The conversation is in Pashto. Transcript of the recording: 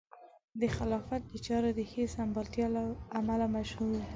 د خلافت د چارو د ښې سمبالتیا له امله مشهور دی.